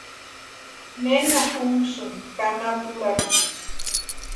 ¿Nena únhasïnki kamata urapiti?